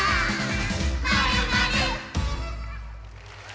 「まるまる」